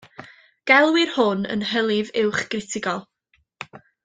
Gelwir hwn yn hylif uwch gritigol.